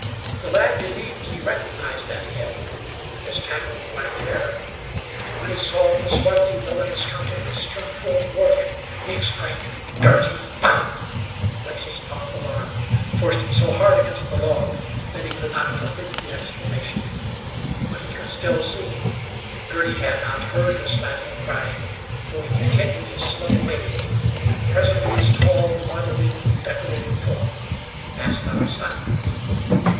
The lad believed he recognized that head, with its tangled black hair, and when he saw the swarthy, villainous countenance turned full toward him, he exclaimed: "Girty! by " Wetzel's powerful arm forced him so hard against the log that he could not complete the exclamation; but he could still see. Girty had not heard that stifled cry, for he continued his slow wading, and presently his tall, gaudily decorated form passed out of sight.